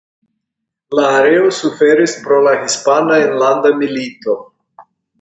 La areo suferis pro la Hispana Enlanda Milito.